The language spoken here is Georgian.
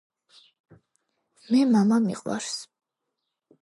მე მამა მიყვარს